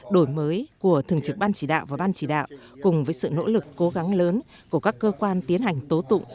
đổi mới của thường trực ban chỉ đạo và ban chỉ đạo cùng với sự nỗ lực cố gắng lớn của các cơ quan tiến hành tố tụng